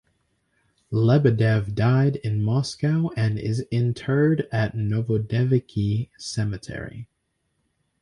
Lebedev died in Moscow and is interred at Novodevichy Cemetery.